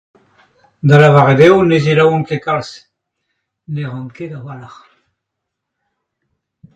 da lavaret eo ne selaouan ket kalz, ne ran ket a-walc'h.